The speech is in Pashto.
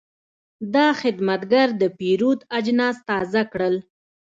دا خدمتګر د پیرود اجناس تازه کړل.